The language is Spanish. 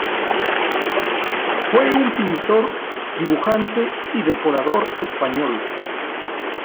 Fue un pintor, dibujante y decorador español.